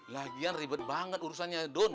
lagian ribet banget urusannya don